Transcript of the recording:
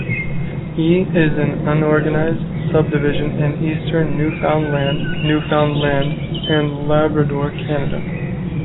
E is an unorganized subdivision in eastern Newfoundland, Newfoundland and Labrador, Canada.